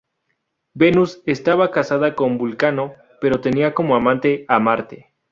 Venus estaba casada con Vulcano, pero tenía como amante a Marte.